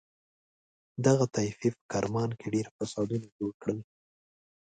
دغه طایفې په کرمان کې ډېر فسادونه جوړ کړل.